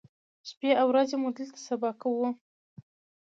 شپې او ورځې مو دلته سبا کوو.